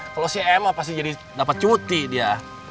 kalo si emma pasti jadi dapet cuti dia